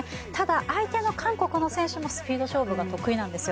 ただ、相手の韓国の選手もスピード勝負が得意なんですよ。